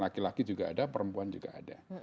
laki laki juga ada perempuan juga ada